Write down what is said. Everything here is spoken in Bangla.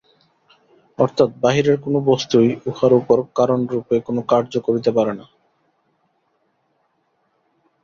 অর্থাৎ বাহিরের কোন বস্তুই উহার উপর কারণরূপে কোন কার্য করিতে পারে না।